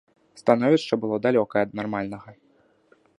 Становішча было далёкае ад нармальнага.